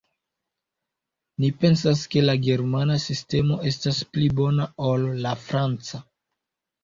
Ni pensas ke la germana sistemo estas pli bona ol la franca.